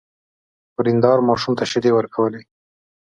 ورېندار ماشوم ته شيدې ورکولې.